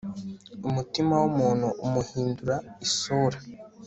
umutima w'umuntu umuhindura isura